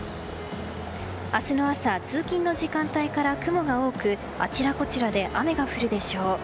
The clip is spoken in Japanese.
明日の朝通勤の時間帯から雲が多くあちらこちらで雨が降るでしょう。